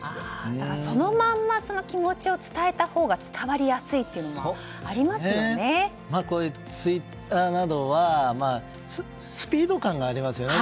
そのまま気持ちを伝えたほうが伝わりやすいというのがこういうツイッターなどはスピード感がありますよね。